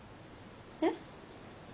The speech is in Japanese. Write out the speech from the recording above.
えっ？